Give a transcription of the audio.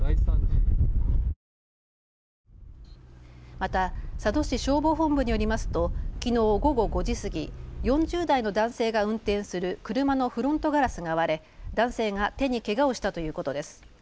また佐渡市消防本部によりますときのう午後５時過ぎ４０代の男性が運転する車のフロントガラスが割れ男性が手にけがをしたということです。